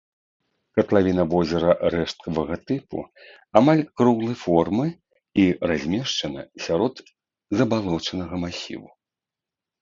Катлавіна возера рэшткавага тыпу, амаль круглай формы і размешчана сярод забалочанага масіву.